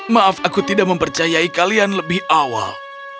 maaf aku tidak mempercayai kalian lebih awal